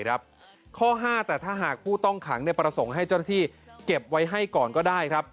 ข้อ๕แต่ถ้าหากผู้ต้องขังประสงค์ให้เจ้าหน้าที่เก็บไว้ให้ก่อนก็ได้ครับ